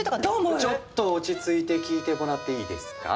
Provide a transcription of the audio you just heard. ちょっと落ち着いて聞いてもらっていいですか？